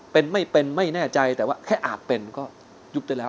เป็นไม่เป็นไม่แน่ใจแต่ว่าแค่อาจเป็นก็ยุบได้แล้ว